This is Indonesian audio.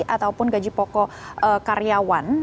ataupun gaji pokok karyawan